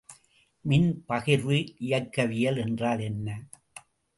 மின்பகிர்வு இயக்கவியல் என்றால் என்ன?